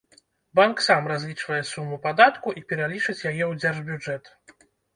Банк сам разлічвае суму падатку і пералічыць яе ў дзяржбюджэт.